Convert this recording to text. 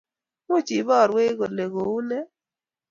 much iborwe ile kou ne?